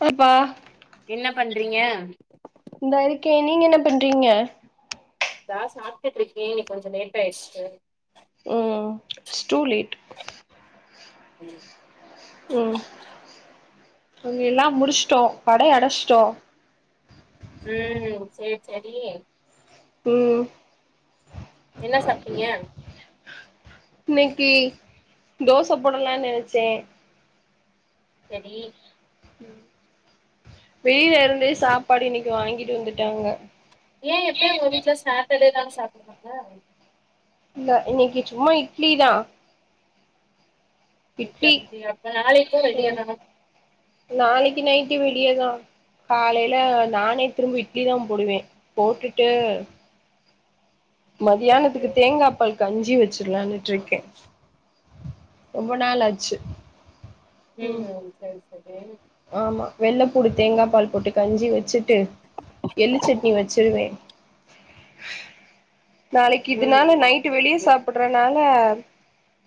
யப்பா றீங்க இந்தா இருக்கேன் நீங்க என்ன பண்றீங்க தா சாப்டுட்டு இருக்கே கொஞ்ச லேட்டா ஆயிச்சு உம் ஸ்டூலேட் உம் உம் அங்க எல்லா முடிசிடோம் கடை அடைசிடோம் உம் செர் செரி உம் என்ன சாப்ட்டீங்க இன்னைக்கு தோச போடலாம் நெனைசேன் செரி வெளில இருந்தே சாபாடு இன்னிகு வாங்கிடு வந்துடாங்க எல்லாரும் சாப்பிடுவாங்க இல்ல இன்க்கி சும்மா இட்லி தா இட்லி சரி அப்ப நாளைக்கு வெளிய உம் தான நாளைக்கு நைட் இன்னிகு வெளியதா காலைல நானே திரும்பி இட்லி தா போடுவே போட்டுட்டு ஓகே மதியானதுகு ஓகே தேங்கா பால் கஞ்சி வச் வெச்சிலாண்ருக்கே ரொம்ப நாள் ஆச்சு ம் உம் சரி சரி ஆமா வெள்ளபூடு தேங்கா பால் போட்டு கஞ்சி வச்சுடு எள்ளு சட்னி வச்சிருவே நாளைகு ம் இதனால நைட் ஓகே வெளிய ஓகே சாப்பிறனால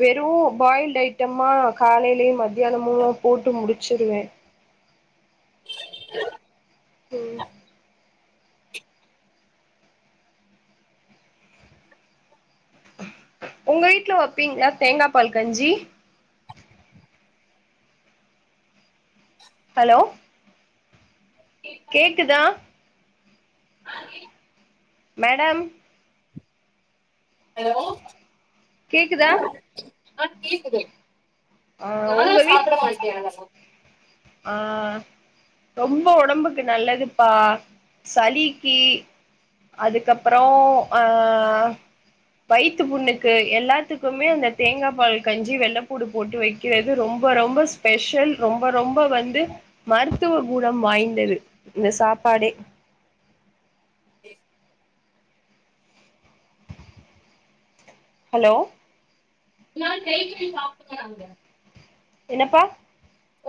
வெறு பாயில்டு ஐடமா காலையிலயும் மதியானமு போட்டு முடிச்சிருவே உம் உங்க வீட்ல வபீங்களா தேங்கா பால் கஞ்சி ஹலோ கேக்குதா மேடம் ஹலோ கேக்குதா ஆ கேக்குது ஆ நானு சாப்ட போய்டனால ஆஹ் ரொம்ப ஒடம்புகு நல்லதுபா சலிக்கி அதுகப்றம் அஹ் வைத்து புண்ணுகு எலாதுகுமே அந்த தேங்கா பால் கஞ்சி வெள்ளபூடு போட்டு வைகிறது ரொம்பரொம்ப ஸ்பெஷல் ரொம்பரொம்ப ரொம்ப வந்து மருதுவ குணம் வாய்ந்தது இந்த சாபாடே [unintelligible] ஹலோ இதனால கைகேயி சாபிராங்க என்னப்பா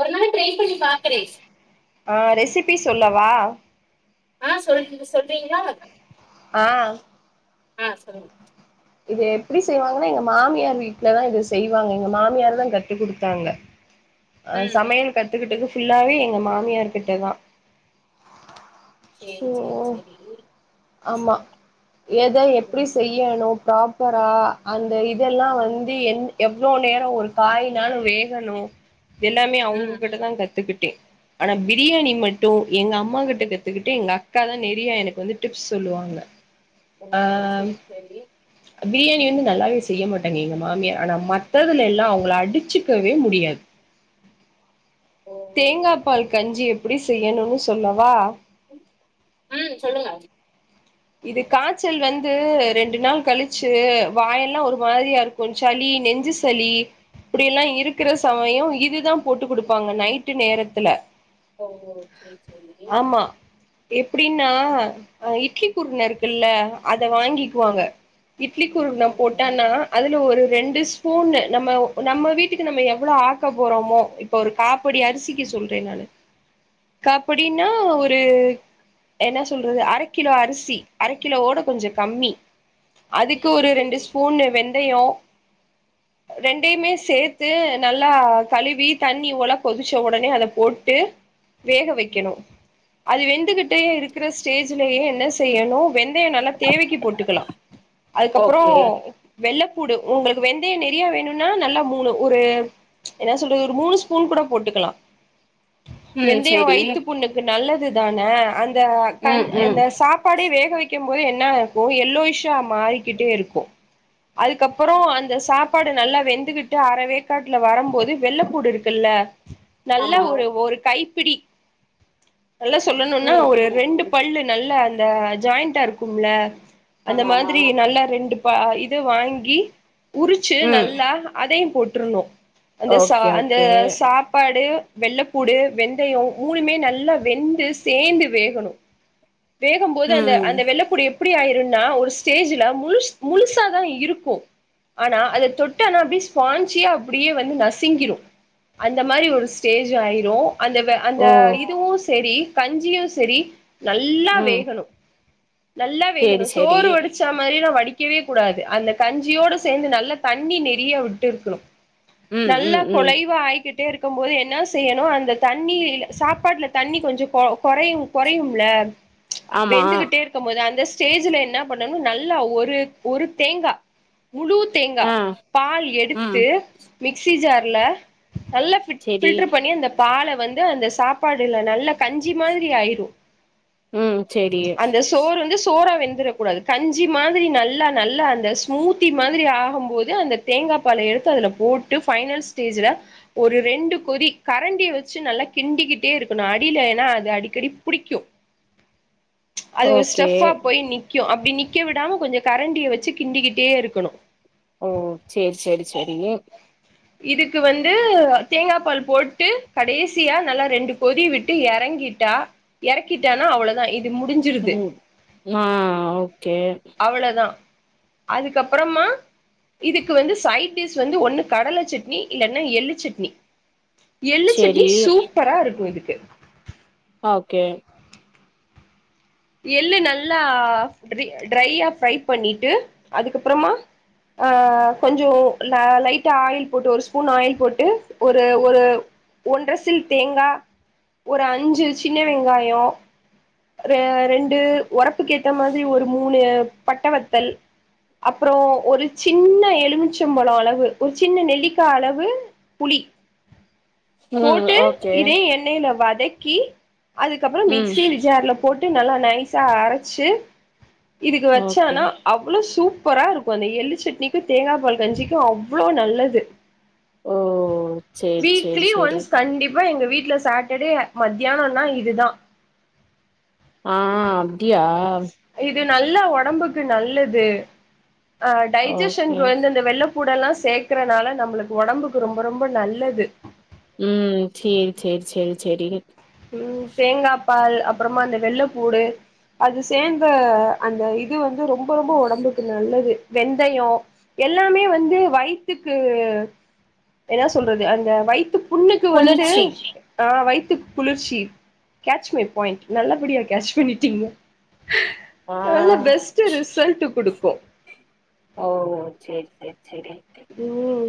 ஒரு நாள் ட்ரை பண்ணி பாக்குறே ஆஹ் ரெசிபி சொல்லவா ஆ ஆஹ் சொல் சொல்றீங்களா ஆஹ் ஆஹ் சொல்லுங்க இது எப்படி செய்வாங்கன்னா எங்க மாமியார் வீட்டுலதான் இது செய்வாங்க எங்க மாமியார் தான் கத்து குடுத்தாங்க ஆஹ் ம் சமையல் கத்துக்கிட்டது ஃபுல்லாவே எங்க மாமியார்கிட்ட தான் சேரி சேரி சேரி ஆமா எத ம் எப்படி செய்யணும் ப்ராப்பரா அந்த இதெல்லாம் வந்து என் எவ்வளவு நேரம் ஒரு காயினாலும் வேகணும் எல்லாமே ம் அவங்ககிட்ட தான் கத்துக்கிட் ஆனா பிரியாணி மட்டும் எங்க அம்மா கிட்ட கத்துக்கிட் எங்க அக்கா தான் நெறிய எனக்கு வந்து டிப்ஸ் சொல்லுவாங்க ஓ ஆ சேரி சேரி பிரியாணி வந்து நல்லாவே செய்ய மாட்டாங்க எங்க மாமியார் ஆனா மத்ததுல எல்லாம் அவங்கள அடிச்சுக்கவே முடியாது ஓ தேங்காய் ஓகே பால் கஞ்சி எப்படி செய்யணுன்னு சொல்லவா ம் சொல்லுங்க இது காய்ச்சல் வந்து ரெண்டு நாள் கழிச்சு வாய் எல்லாம் ஒரு மாதிரியா இருக்கும் சளி நெஞ்சு சளி இப்படிய எல்லாம் இருக்கிற சமயம் இதுதான் போட்டு குடுப்பாங்க நைட்டு நேரத்துல ஓ ஓ செரி செரி எப்பிடின்னா இட்லி குருனை இருக்குல்ல அத வாங்கிக்குவாங்க இட்லி குருனை ஓகே போட்டேன்னா அதுல ஒரு ரெண்டு ஸ்பூன் நம்ம நம்ம வீட்டுக்கு நம்ம எவ்வளோ ஆக்க போறோமோ இப்ப ஒரு காப் படி அரிசிக்கு சொல்றேன் நானு காப் படினா ஒரு என்ன சொல்றது அரை கிலோ அரிசி அரை கிலோ ஓட கொஞ்சம் கம்மி அதுக்கு ம் ஒரு ரெண்டு சேரி ஸ்பூன் வெந்தயம் ரெண்டையுமே சேர்த்து நல்லா கழுவி தண்ணி ஓல கொதிச்ச உடனே அத போட்டு வேக வைக்கணும் அது வெந்துகிட்டயே இருக்கிற ஸ்டேஜ்லயே செய்யணும் வெந்தயம் நல்லா தேவைக்கு போட்டுக்கலாம் அதுக்கப்புறம் ஓகே வெள்ள டு உங்களுக்கு வெந்தயம் நெறையா வேணும்னா நல்லா மூணு ஒரு என்ன சொல்றது ஒரு மூணு ஸ்பூன் கூட போட்டுக்கலாம் ம் வெந்தயம் சேரி வைத்து புண்ணுக்கு நல்ல துதானே அந் த கண் ம் ம் இந்த சாப் பாடே வேக வைக் க்கும் போது என்ன இருக்கும் எல்லோயிஷா மாறிக்கிட்டே இருக்கும் அதுக்கப்புறம் அந்த சாப்பாடு நல்லா வெந்துகிட்டு அறவே காட்டுல வரும் போது வெள்ளைப்பூடு இருக்குல்ல நல்ல ஆமா ஒரு ஒரு கை பிடி நல்லா சொல்லணும்னா ம் ஒரு ம் ரெண்டு ம் பல்லு நல்ல அந்த இதா ஜாயிண்டா இருக்கும்ல அந்த ஆமா மாதிரி ஆமா நல்லா ரெண்டு பா இது வாங்கி உரிச்சு ம் நல்லா அதயும் கூற்றணோ அந்த ச ஓகே அந்த ஓகே சாப்பாடு வெள்ளப்பூடு வெந்தயம் மூணுமே நல்லா வெந்து சேந்து வேகணும் வேகும் போது அந்த ம் அந்த வெள்ளப்புடு எப்டி ஆயிரும் நா ஒரு ஸ்டேஜ்ல முழுஸ் முழுசா தான் இருக்கும் ஆனா அத தொட்டனா அப்டியே வந்து ஃஸ்பாஞ்சே அப்டி நசிங்கிரும் அந்த மாரி ஒரு ஸ்டேஜ் ஆயிரும் அந்த அந்த ஓ இதுவும் சேரி கஞ்சியும் செரி நல்ல ம் வேகணும் நல்லா சேரி வேகணும் சேரி சோறு வடிச்சா மாரி நான் வ படிக்கவே கூடாது அந்த கஞ்சியோடு சேந்து நல்ல தண்ணி நெறய வுட்டு இருக்கணும் ம் நல்லா ம் ம் குலைவா ஆயிக்கிட் [unintelligible] போது என்ன செய்யணும் அந்த தண்ணி சாப்பாடுல தண்ணி கொஞ்சம் குறையும் குறையும்ல ஆமா வெந்துகிட்டே இருக்கும் போது அந்த ஸ்டேஜ்ல என்ன பண்ணனும் நல்லா ஒரு ஒரு தேங்கா முழு தேங்கா ஆ பால் ம் எடுத்து மிக்ஸி ஜார்ல நல்லா ஃபிட் சேரி ஃபில்டர் பண்ணி அந்த பால வந்து அந்த சாப்பாடுல நல்லா கஞ்சி மாதிரி ஆயிடும் ம் சேரி அந்த சோறு வந்து சோறா வெந் க்கூடாது கஞ்சி மாதிரி நல்லா நல்லா அந்த ஸ்மூத்தி மாதிரி ஆகும் போது அந்த தேங்கா பால எடுத்து அதுல போட்டு ஃபைனல் ஸ்டேஜ்ல ஒரு ரெண்டு கொதி கரண்டிய வச்சு நல்லா கிண்டிக்கிட்டே இருக்கணும் அடியில ஏன்னா அது அடிக்கடி புடிக்கும் அது ஒரு ஓகே ஸ்டெஃபா போய் நிக் அப்டி நிக்க விடாம கொஞ்சம் கரண்டிய வச்சு கிண்டிக்கிட்டே இருக்கணும் செரிங்க இதுக்கு வந்து தேங்கா பால் போட்டு கடைசியா நல்லா ரெண்டு கொதி விட்டு எறங்கிட்டா எறக்கிட்டாலும் அவ்வளதான் இது உம் ஆஹ் ஆஹ் அவ்வளதான் அதுக்கப்பறமா இதுக்கு வந்து சைடு டிஷ் வந்து ஒண்ணு கடல சட்னி இல்லன்னா எள்ளு சட்னி எள்ளு சேரி சட்னி சூப்பரா இருக்கும் இதுக் ஓகே எள்ளு நல்லா ட்ரையா ஃபிரை பண்ணிட்டு அதுக்கப்புறமா ஆ கொஞ்ச லைட்டா ஆயில் போட்டு ஒரு ஸ்பூன் ஆயில் போட்டு ஒரு ஒரு ஒன்ற சில் தேங்கா ஒரு அஞ்சு சின்ன வெங்காயொ ஒரு ரெண்டு ஒரப்புக்கு ஏத்த மாரி ஒரு மூணு பட்டவத்தல் அப்புறோ ஒரு சின்ன எலுமிச்சம்பழ அளவு ஒரு சின்ன நெல்லிக்கா அளவு புளி ம் போட்டு ஓகே இதையு எண்ணெய்ல வ தக்கி அதுக்கப்ற ம் மிக்சி ஜார்ல போட் டு நல்லா நைசா அரச்சு இதுக்கு வச்ச ஓகே அனா அவ்ளோ சூப் பரா இருக்கு இந்த எள்ளு சட்னிக்கு தேங்காய பால் கஞ்சிக்கு அவ்ளோ நல்லது ஓ சேரி சேரி வீக்லி சேரி ஒன்ஸ் கண்டிப்பா எங்க வீட் ட்ல சாட்டர்டே மத்யானொனா இதுதா ஆ அப்டியா து நல்லா ஒடம்புக்கு நல்லது ஆ டைஜஷன்க்கு ஓகே வந்து இந்த வெள்ள பூடல்லா சேக்குறனால நம்ளுக்கு ஒடம்புக்கு ரொம்ப ரொம்ப நல்லது உம் சேரி சேரி சேரி சேரி உம் தேங்கா பால் அப்புறமா இந்த வெள்ளப்பூடு அது சேந்த அந்த இது வந்து ரொம்ப ரொம்ப ஒடம்புக்கு நல்லது வெந்தயொ எல்லாமே வந்து வயித்துக்கு என்ன சொல்றது அந்த வயித்து புண்ணுக்கு வந்து குளிர்ச்சி ஆ வை த்து குளிர்ச்சி கேட்ச் மை பாயிண்ட் நல்லபடியா கேட்ச் பண்ணிட்டீங்க ஆ நல்லா பெஸ்ட்டு ரிசல்ட்டு குடுக் கு ஓ சேரி சேரி சேரி உம்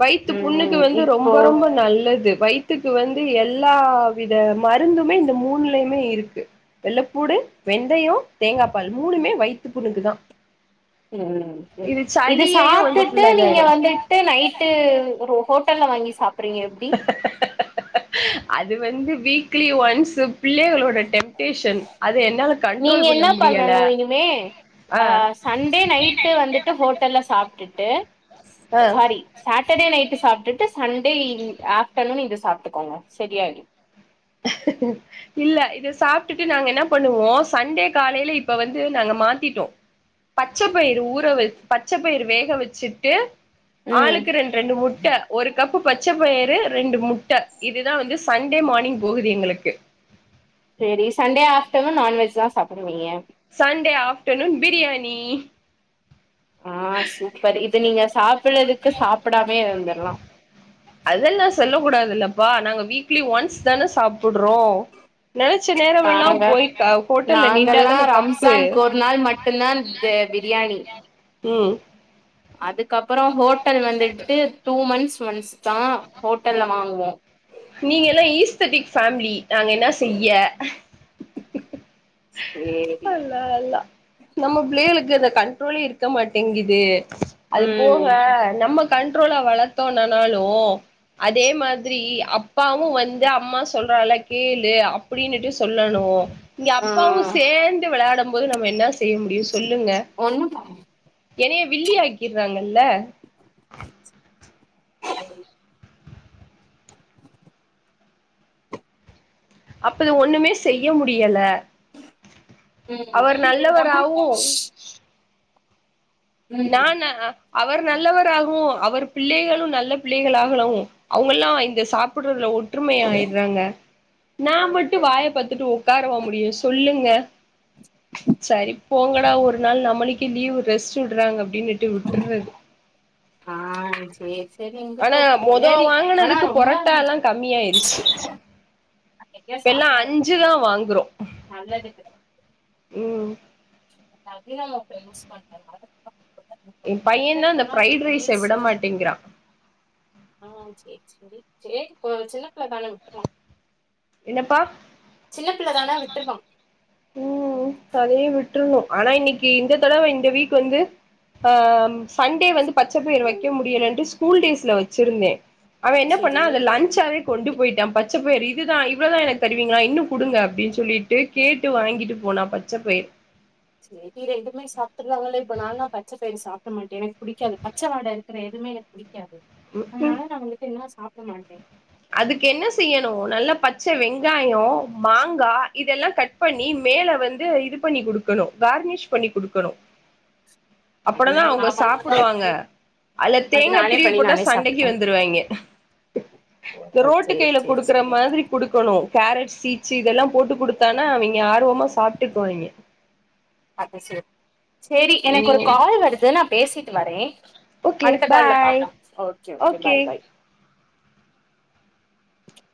வயித்து புண்ணுக்கு ம் வந்து இப்போ ரொம்ப ரொம்ப நல்லது வயித் த்துக்கு வந்து எல்லா வித மருந்துமே இந்த மூணுலயுமே இருக்கு வெள்ளப்பூடு வெந்தயொ தேங்காப் பால் மூணுமே வயித்து புண்ணுக்கு தா உம் இது இத சளியையு வந்து சாப்டுட்டு ஃபுல்லா நீங் க இதாயிரு வந்துட்டு நைட்டு ஒரு ஹோட்டல்ல வாங்கி சாப்புறீங்க எப்டி அது வந்து வீக்லி ஒன்ஸு நீங்க கண்ட்ரோல் பண்ண என்ன முடியல பண்ணணு இனிமே ஆ அ சண்டே நைட்டு வந்துட்டு ஹோட்டல்ல சாப்டுட்டு ஆ சாரி சாட் டர்டே நைட்டு சாப்டுட்டு சண்டே இ ஆஃப்டர்நூன் இது சாப்டுக்கோங்க சரியாயிடு இல்ல இத சாப்டுட்டு நாங்க என்ன பண்ணுவோ சண்டே காலைல இப்ப வந்து நாங்க மாத்திட்டோ பச்சப்பயிரு ஊற வ பச்சப்பயிர வேக வச்சுட்டு ம் ஆளுக்கு ரெண்டு ரெண்டு முட்ட ஒரு கப்பு பச்ச பயறு ரெண்டு மு ட்ட இதுதான் வந்து சண்டே மார்னிங் போகுது எங்களுக்கு செரீஸ் சண்டே ஆஃப்டநூன் நான்வெஜ் தான் சாப்பிடுவீங்க ஆஃ ப்டநூன் பிரியாணி ஆஹ் சூப்பர் இது நீங்க சாப்பிறதுக்கு சாப்பிடாமே இருந்துர்ல்லாம் அது எல்லாம் சொல்ல கூடதுல்ல வா நாங்க வீக்லி ஒன்ஸ் தான சாப்பிடுறோம் நினைச்ச நேரம் எல்லாம் நாங்க போய ஹோட்டல்ல நாங்கல்லா நின்னாடதானே தப்பு ரம்ஜான்க்கு ஒரு நாள் மட்டுந்தா இந்த உம் அது அப்பரோம் ஹோட்டல் வந்துட்டு டூ மன்ஸ் மன்ஸ் தான் ஹோட்டல்ல வாங்குவோம் நீங்கல்லா ஈஸ்தடிக் ஃபேமிலி நாங்க என்ன செய்ய சேரி அல்ல அல்ல நம்ம பிளையளுக்கு இந்த கண்ட்ரோலே இருக்க மாட்டேங்குது அது போக ம் நமக் கண்ட்ரோல வளர்த்தோ நனாலும் அதே மாதிரி அப்பாவு வந்து அம்மா சொல்றால கேளு அப்படின்னுட்டு சொல்லணும் ஆ அப்பாவும் சேந்து விளையாடும் போது நம்ம என்ன செய்ய முடியும் சொல்லுங்க ஒண்ணு என்னைய வில்லி ஆக்கிறாங்கல்ல [inaudible] அப்ப அது ஒண்ணுமே செய்ய முடியல ம் அவர் நல்லவராவும் ம் நான்ன அவர் நல்லவராகவும் அவர் பிள்ளைகளு நல்ல பிள்ளைகளாகலவும் அவங்கல்லா இந்த சாப்பிடுறதுல ஒற்றுமை ஆய்றாங்க நா ஓகே மட்டும் வாய பாத்துட்டு உக்காரவ முடியும் சொல்லுங் கே சரி போங்கடா ஒரு நாள் நம்மளீக்கு லீவ் ரெஸ்ட் சொல்றாங்க அப்டின்னுட்டு விட்டுருறது ஆஹ் சேரி சேரி ஆனா எங்கிட்டோ மொதோ சேரி ஆனா வாங்கினதுக்கு ரொம்ப புரட்டால்லாம் கம்மியாயிருச்சு அக்க இப்பெல்லா சாப்பிடாது அஞ்சுதா நல்லது க உம் அதையும் ந யூஸ் பண் என் பையன் தான் இந்த பிரரைட் ரைஸ்ஸ விட ரீல்ஸ்ல மாட்டேங்கிறான் ஆ சேரி சேரி சின்ன பிள்ள தானே விட்டுருவான் என்னப்பா சின்ன பிள்ளைதானா விட்ருவான் உம் அதே விட் ருனும்ஆனா இன்னைக்கு இந்த தடவை இந்த வீக் வந்து அஹ் சண்டே வந்து பச்சைப்பயிர் வைக்க முடியலைட்டு ஸ்கூல் டேஸ்ல வச்சிருந்தேன் அவன் என்ன பண்ணா சேரி அத லஞ்ச்சாவே கொண்டு போயிட்டான் பச்சைப்பயர் இதுதான் இவ்ளவுதான் எனக்கு தருவீங்களா இன்னும் குடுங்க அப்படின்னு சொல்லிட்டு கேட்டு விட்டு வாங்கிட்டு போனா பச்சை பயிர் சேரி ரெண்டுமே சாப்டுருறாங்கல்ல நாளான் பச்சைபயறு சாப்பிட மாட்டேன் எனக்கு புடிக்காது பச்ச வாடை இருக்க எதுமே எனக்கு புடிக் க்காது ம்ஹும் அதனால நான் உங்களுக்கு என்னா சாப்ப மாட்டேன் அதுக்கு என்ன செய்யணும் நல்ல பச்சை வெங்காயம் மாங்கா இதெல்லாம் கட் பண்ணி மேல வந்து இது பண்ணி குடுக்கணும் கார்னிஷ் பண்ணி குடுக்கணும் அப்புட அது தான் நா அவுங்க பண்ணாதா சாப்பிடுவாங்க உண்டு அல்ல அது தேங்காய் நானே திருவி பண்ணி போட்டா நானே சண்டைக்கு சாப்ட்டுக்கணு வந்துருவாங்க இந்த ஓ ரோட்டு சேரி கையில சேரி குடுக்குற சேரி மாதிரி குடுக்கணும் கேரட் சீட்சு இதெல்லாம் போட்டு கொடுத்தானா அவங்க ஆர்வ மா சாப்பிட்டுக்குவாங்க அது சேரி சேரி எனக்கு ஒரு கால் வருது நான் பேசிட் வரேன் ஓகே அடுத்த கால்ல பாய் பாப்போம் ஓகே ஓகே பாய் பாய் [inaudible]